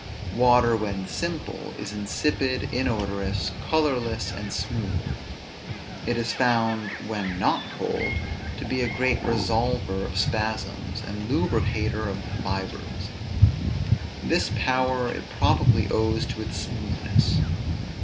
Water, when simple, is insipid, inodorous, colorless, and smooth; it is found, when not cold, to be a great resolver of spasms, and lubricator of the fibres; this power it probably owes to its smoothness.